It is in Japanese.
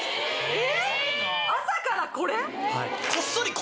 え！